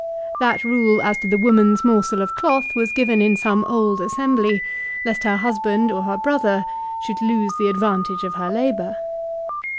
That rule as to the woman's morsel of cloth was given in some old assembly lest her husband, or her brother, should lose the advantage of her labour.